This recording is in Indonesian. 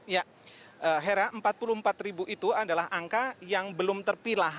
ya hera empat puluh empat ribu itu adalah angka yang belum terpilah